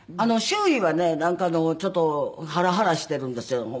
周囲はねなんかちょっとハラハラしてるんですよ。